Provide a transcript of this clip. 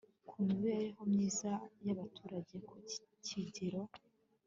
ku mibereho myiza y abaturage ku kigero